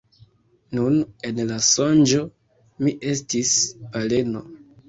Nun, en la sonĝo, mi estis baleno.